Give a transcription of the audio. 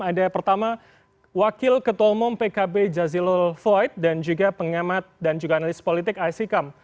ada pertama wakil ketua umum pkb jazilul floyd dan juga pengamat dan juga analis politik aisyikam